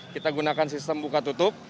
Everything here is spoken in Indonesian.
kita gunakan sistem buka tutup